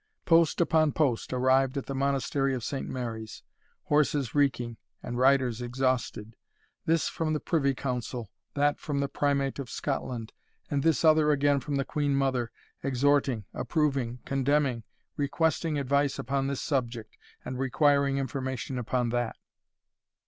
Post upon post arrived at the Monastery of Saint Mary's horses reeking, and riders exhausted this from the Privy Council, that from the Primate of Scotland, and this other again from the Queen Mother, exhorting, approving, condemning, requesting advice upon this subject, and requiring information upon that.